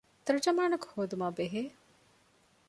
ތަރުޖަމާނަކު ހޯދުމާ ބެހޭ